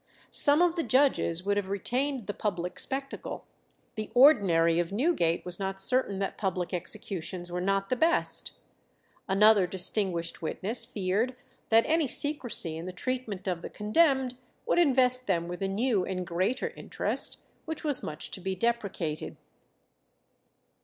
Some of the judges would have retained the public spectacle; the ordinary of Newgate was not certain that public executions were not the best. Another distinguished witness feared that any secrecy in the treatment of the condemned would invest them with a new and greater interest, which was much to be deprecated.